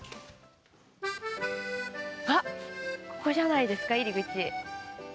あっ、ここじゃないですか、入り口。